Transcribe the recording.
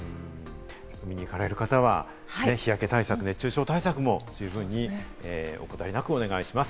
海に行かれる方は日焼け対策、熱中症対策も十分に怠りなくお願いします。